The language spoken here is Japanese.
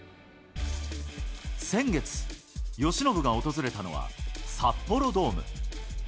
先月、由伸が訪れたのは、札幌ドーム。